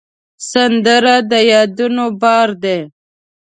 سندره د یادونو بار دی